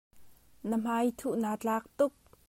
Na hmaithuh naa tlak tuk.